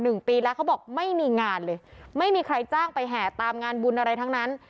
หนึ่งปีแล้วเขาบอกไม่มีงานเลยไม่มีใครจ้างไปแห่ตามงานบุญอะไรทั้งนั้น